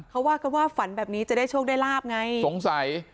เขาว่ากันว่าฝันแบบนี้จะได้โชคได้ลาบไงสงสัย